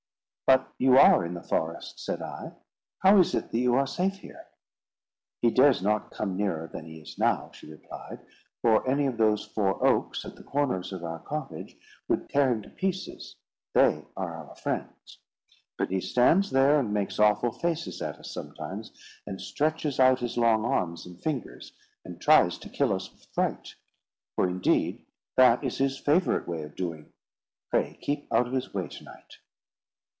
"But you are in the forest," said I; "how is it that you are safe here?" "He dares not come nearer than he is now," she replied; "for any of those four oaks, at the corners of our cottage, would tear him to pieces; they are our friends. But he stands there and makes awful faces at us sometimes, and stretches out his long arms and fingers, and tries to kill us with fright; for, indeed, that is his favourite way of doing. Pray, keep out of his way to night."